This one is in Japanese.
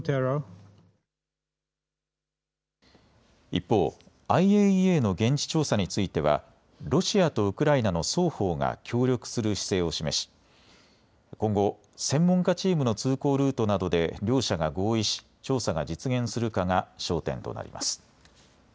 一方、ＩＡＥＡの現地調査についてはロシアとウクライナの双方が協力する姿勢を示し、今後、専門家チームの通行ルートなどで両者が合意し調査が実現するかが焦点となります。